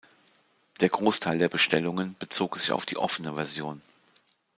Der Großteil der Bestellungen bezog sich auf die offene Version.